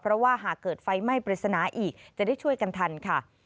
เพราะว่าหากเกิดไฟไหม้ปริศนาอีกจะได้ช่วยกันทันค่ะ